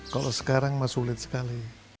kalau sekarang mas sulit sekali